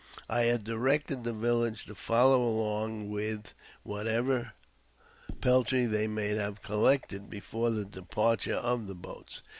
I had directed the village to follow along with whatever peltry they might collect before the departure of the boats.